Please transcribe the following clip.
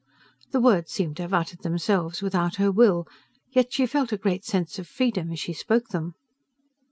The words seemed to have uttered themselves without her will, yet she felt a great sense of freedom as she spoke them.